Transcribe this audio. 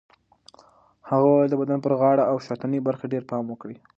هغه وویل د بدن پر غاړه او شاتنۍ برخه ډېر پام وکړئ.